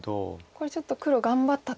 これちょっと黒頑張った手。